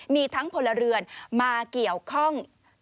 มีทั้งพลเรือนมาเกี่ยวข้อง